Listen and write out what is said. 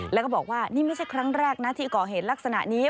แล้วก็บอกว่านี่ไม่ใช่ครั้งแรกนะที่ก่อเหตุลักษณะนี้